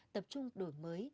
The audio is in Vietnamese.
tập trung đổi mới